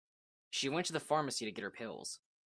She went to the pharmacy to get her pills.